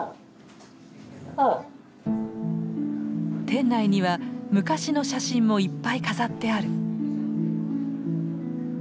店内には昔の写真もいっぱい飾ってある。